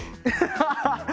ハハハ。